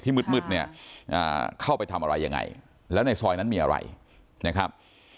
มืดเนี่ยเข้าไปทำอะไรยังไงแล้วในซอยนั้นมีอะไรนะครับ